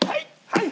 はい！